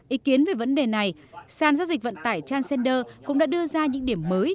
ý kiến về vấn đề này sàn giao dịch vận tải transenders cũng đã đưa ra những điểm mới